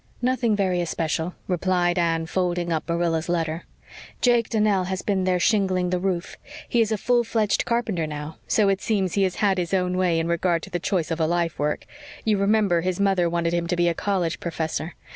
"Nothing very especial," replied Anne, folding up Marilla's letter. "Jake Donnell has been there shingling the roof. He is a full fledged carpenter now, so it seems he has had his own way in regard to the choice of a life work. You remember his mother wanted him to be a college professor.